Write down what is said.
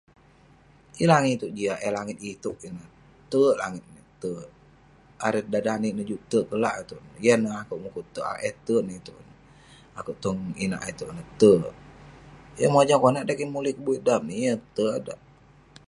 Yeng langit iteuk jiak, eh langit iteuk ineh. Tek langit ineh tek. Arei danik-danik neh juk tek kelak iteuk. Yan ne akeuk mukuk teuk um eh tek ne iteuk. Akeuk tong inak iteuk ineh tek. Yeng mojam konak dan kik mulik buik dap ne yeng tek eh dak.